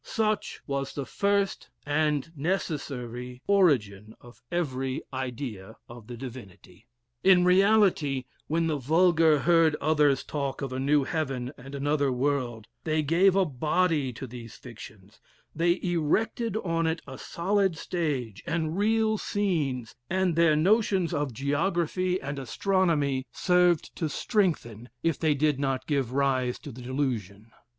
"Such was the first and necessary origin of every idea of the divinity...." "In reality, when the vulgar heard others talk of a new heaven and another world, they gave a body to these fictions; they erected on it a solid stage and real scenes; and their notions of geography and astronomy served to strengthen, if they did not give rise to the delusion.